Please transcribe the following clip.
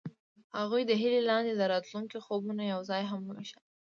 هغوی د هیلې لاندې د راتلونکي خوبونه یوځای هم وویشل.